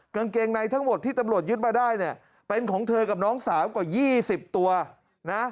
กางเกงในทั้งหมดที่ตำรวจยึดมาได้เนี่ยเป็นของเธอกับน้องสาวกว่า๒๐ตัวนะ